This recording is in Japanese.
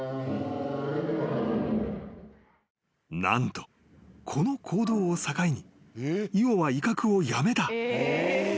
［何とこの行動を境にイオは威嚇をやめた］